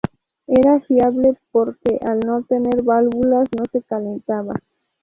Era fiable porque al no tener válvulas no se calentaba.